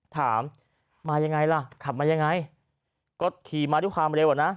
ถามมายังไงล่ะขับมายังไงก็ขี่มาด้วยความเร็วอ่ะนะ